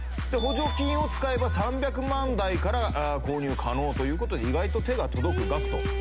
補助金を使えば３００万円台から購入可能ということで意外と手が届く額と。